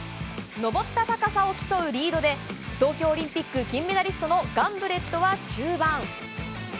登った高さを競うリードで、東京オリンピック金メダリストのガンブレットは中盤。